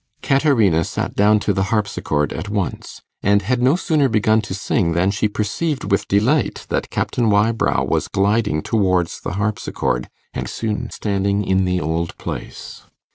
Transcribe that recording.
Caterina sat down to the harpsichord at once, and had no sooner begun to sing than she perceived with delight that Captain Wybrow was gliding towards the harpsichord, and soon standing in the old place.